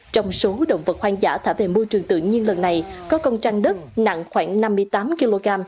trong số động vật hoang dã thả về môi trường tự nhiên lần này có công tranh đất nặng khoảng năm mươi tám kg